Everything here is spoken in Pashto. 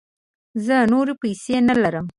زه نوری پیسې نه لرم